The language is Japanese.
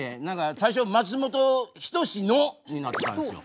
最初「松本人志の」になってたんですよ。